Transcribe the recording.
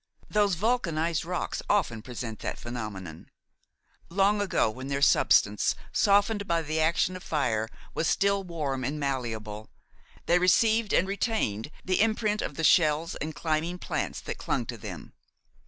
Those vulcanized rocks often present that phenomenon; long ago, when their substance, softened by the action of fire, was still warm and malleable, they received and retained the imprint of the shells and climbing plants that clung to them.